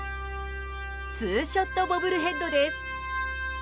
ツーショットボブルヘッドです。